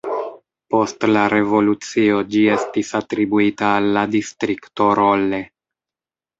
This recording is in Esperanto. Post la revolucio ĝi estis atribuita al la Distrikto Rolle.